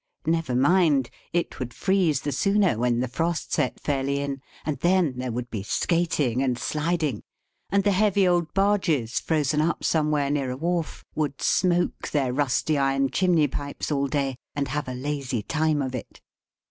Never mind. It would freeze the sooner when the frost set fairly in, and then there would be skating, and sliding; and the heavy old barges, frozen up somewhere, near a wharf, would smoke their rusty iron chimney pipes all day, and have a lazy time of it.